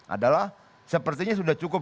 adalah sepertinya sudah cukup